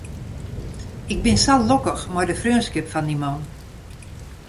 Ik bin sa lokkich mei de freonskip fan dy man.